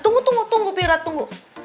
tunggu tunggu tunggu bi ira tunggu